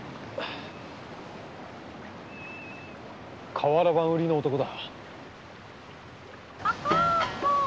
瓦版売りの男だ。